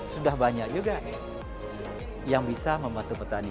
sudah banyak juga yang bisa membantu petani